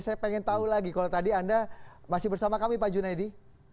saya ingin tahu lagi kalau tadi anda masih bersama kami pak junaidi